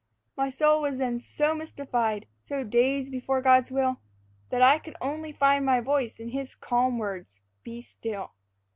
My soul was then so mystified, so dazed before God's will, That I could only find my voice in His calm words, 'Be still.'